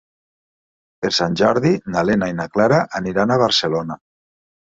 Per Sant Jordi na Lena i na Clara aniran a Barcelona.